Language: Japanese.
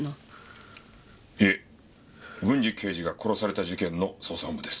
いえ郡侍刑事が殺された事件の捜査本部です。